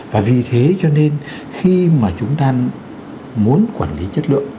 và vì thế cho nên khi mà chúng ta muốn quản lý chất lượng